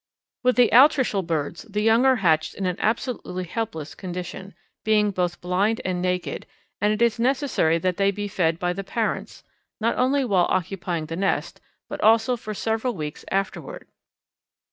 With the altricial birds the young are hatched in an absolutely helpless condition, being both blind and naked, and it is necessary that they be fed by the parents, not only while occupying the nest, but also for several weeks afterward.